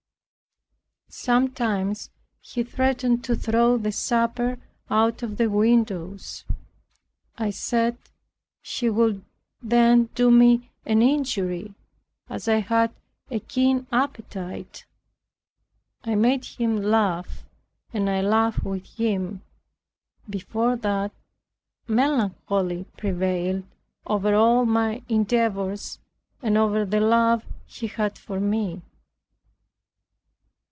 Sometimes he threatened to throw the supper out of the windows. I said, he would then do me an injury, as I had a keen appetite. I made him laugh and I laughed with him. Before that, melancholy prevailed over all my endeavors, and over the love he had for me.